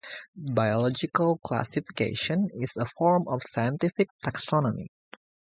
Biological classification is a form of scientific taxonomy.